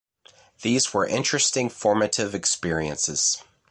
These were interesting formative experiences.